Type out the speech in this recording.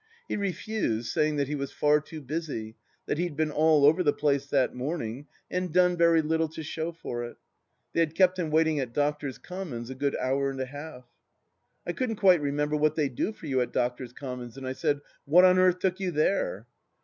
He refused, saying that he was far too busy ; that he'd been all over the place that morning and done very little to show for it. They had kept him waiting at Doctors' Commons a good hour and a half. ... I couldn't quite remember what they do for you at Doctors' Commons, and I said, " What on earth took you there